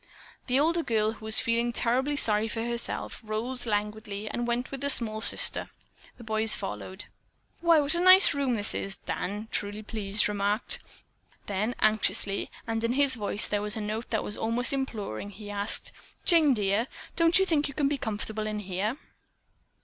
The older girl, who was feeling terribly sorry for herself, rose languidly and went with the small sister. The boys followed. "Why, what a nice room this is!" Dan, truly pleased, remarked. Then anxiously, and in his voice there was a note that was almost imploring, he asked: "Jane, dear, don't you think you can be comfortable in here?"